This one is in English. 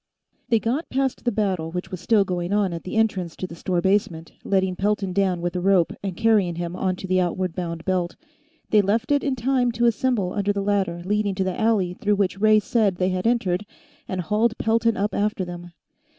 They got past the battle which was still going on at the entrance to the store basement, letting Pelton down with a rope and carrying him onto the outward bound belt. They left it in time to assemble under the ladder leading to the alley through which Ray said they had entered, and hauled Pelton up after them.